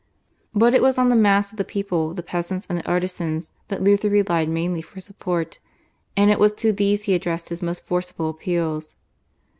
But it was on the mass of the people, the peasants and the artisans, that Luther relied mainly for support, and it was to these he addressed his most forcible appeals.